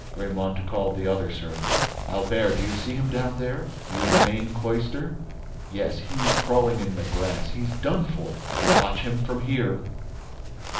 Raymonde called the other servant: "Albert, do you see him down there? Near the main cloister?—" "Yes, he's crawling in the grass. He's done for—" "Watch him from here."